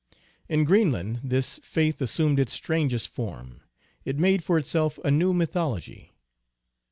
In Greenland this faith assumed its strangest form ; it made for itself a new mythology.